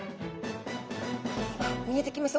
見えてきました。